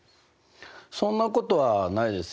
そんなことはないですよ。